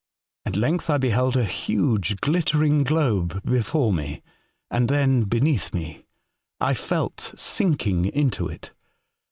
At length I beheld a huge glittering globe before me and then beneath me : I felt sinking into it.